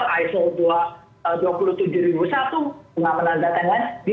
pengamanan data yang lain dia sudah jalankan